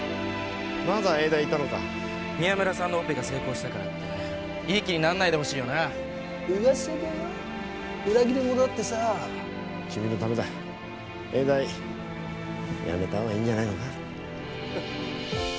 まだ永大にいたのか宮村さんのオペが成功したからといい気になんないでほしいよなウワサだよ裏切り者だってさ君のためだ永大辞めたほうがいいんじゃないか？